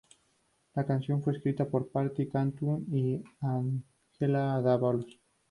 La canción fue escrita por Paty Cantu y Angela Dávalos.